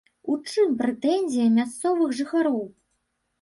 У чым прэтэнзіі мясцовых жыхароў?